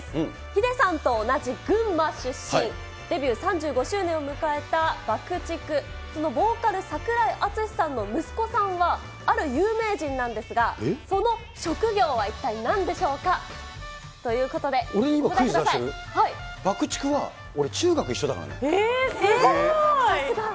ヒデさんと同じ群馬出身、デビュー３５周年を迎えたバクチク、そのボーカル、櫻井敦司さんの息子さんはある有名人なんですが、その職業は一体なんでしょうか。ということで、俺に今、クイズ出してる？